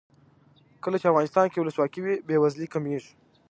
کله چې افغانستان کې ولسواکي وي بې وزلي کمیږي.